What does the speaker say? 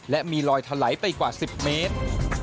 และมีลอยถลายไปกว่า๑๐เมตร